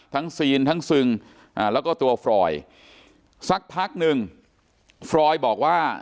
ซีนทั้งซึงแล้วก็ตัวฟรอยสักพักหนึ่งฟรอยบอกว่า